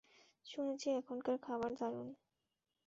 শুনেছি এখানকার খাবার দারুন।